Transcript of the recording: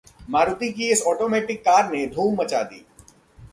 मारुति की इस automatic car ने धूम मचा दी